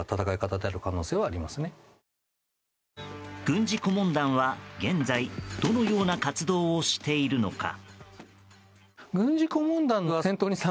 軍事顧問団は、現在どのような活動をしているのか。